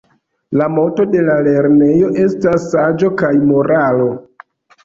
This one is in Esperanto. La moto de la lernejo estas "Saĝo kaj Moralo"